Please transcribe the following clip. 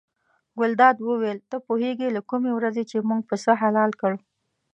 ګلداد وویل ته پوهېږې له کومې ورځې چې موږ پسه حلال کړ.